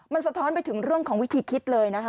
มันสะท้อนไปถึงเรื่องของวิธีคิดเลยนะคะ